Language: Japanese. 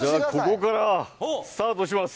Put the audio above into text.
ここからスタートします。